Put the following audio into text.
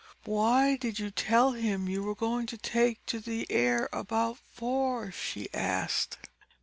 "Why did you tell him you were going to take the air about four?" she asked.